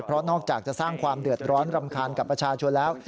เพราะนอกจากจะสร้างความเดือดร้อนรำคาญกับประชาชนแล้ว